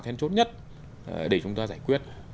thêm chốt nhất để chúng ta giải quyết